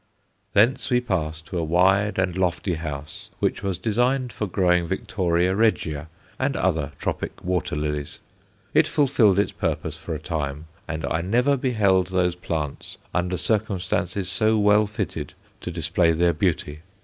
Thence we pass to a wide and lofty house which was designed for growing Victoria Regia and other tropic water lilies. It fulfilled its purpose for a time, and I never beheld those plants under circumstances so well fitted to display their beauty.